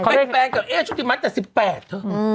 เขาได้แฟนกับเอ๊ชุดิมันแต่๑๘เนี่ย